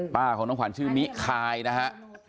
ป้าของน้องขวัญชื่อมิคายนะฮะ